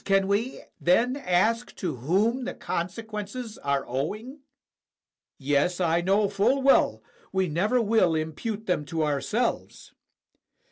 can we then ask to whom the con sequences are owing? Yes, I know full well we never will impute them to ourselves.